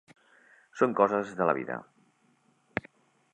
Són coses de la vida.